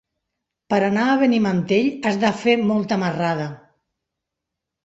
Per anar a Benimantell has de fer molta marrada.